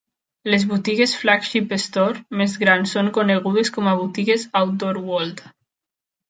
Les botigues 'flagship store' més grans són conegudes com a botigues Outdoor World.